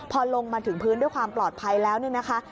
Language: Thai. พอลงมาถึงพื้นด้วยความปลอดภัยแล้วเนี่ยนะคะ